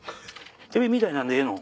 エビみたいなんでええの？